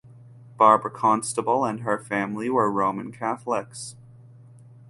Barbara Constable and her family were Roman Catholics.